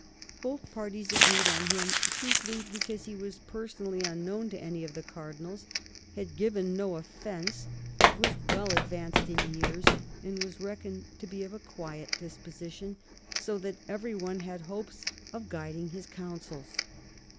Both parties agreed on him, chiefly because he was personally unknown to any of the cardinals, had given no offence, was well advanced in years, and was reckoned to be of a quiet disposition, so that every one had hopes of guiding his counsels.